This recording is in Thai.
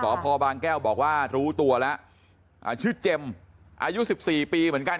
พอบางแก้วบอกว่ารู้ตัวแล้วอ่าชื่อเจมส์อายุสิบสี่ปีเหมือนกัน